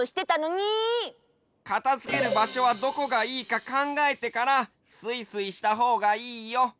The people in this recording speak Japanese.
かたづけるばしょはどこがいいかかんがえてからスイスイしたほうがいいよ！